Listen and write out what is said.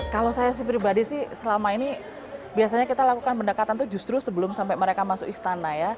kalau saya sih pribadi sih selama ini biasanya kita lakukan pendekatan itu justru sebelum sampai mereka masuk istana ya